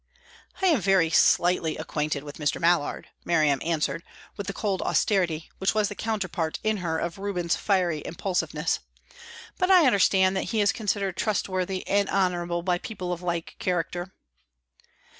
"I am very slightly acquainted with Mr. Mallard," Miriam answered, with the cold austerity which was the counterpart in her of Reuben's fiery impulsiveness, "but I understand that he is considered trustworthy and honourable by people of like character."